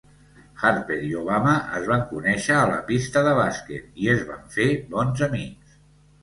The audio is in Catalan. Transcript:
Harper i Obama es van conèixer a la pista de bàsquet i es van fer bons amics.